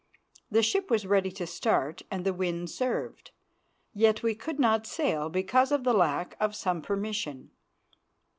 The ship was ready to start and the wind served. Yet we could not sail because of the lack of some permission.